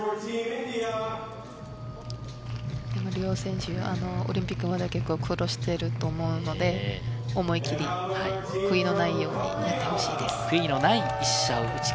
でも両選手、オリンピックに来るまで苦労してると思うので、思い切り悔いのないようにやってほしいです。